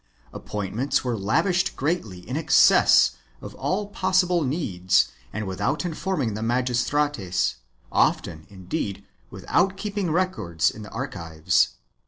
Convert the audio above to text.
Appointments were lavished greatly in excess of all possible needs and without informing the magistrates — often, indeed, without keeping records in the archives.